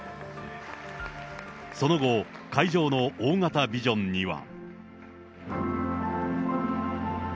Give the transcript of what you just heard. その後、会場の大型ビジョンには。